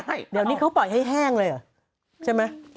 ใช่เดี๋ยวนี้เขาปล่อยให้แห้งเลยเหรอใช่ไหม